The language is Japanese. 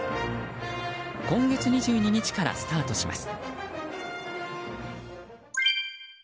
今月２２日からスタートします。